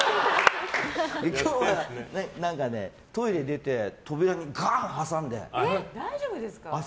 今日は何かね、トイレで扉にガーン挟んで、朝。